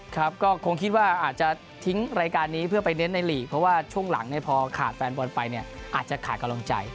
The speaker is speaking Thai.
ครับก็คงคิดว่าอาจจะทิ้งรายการนี้เพื่อไปเน้นในหลีกเพราะว่าช่วงหลังพอขาดแฟนบอลไปเนี่ยอาจจะขาดกำลังใจ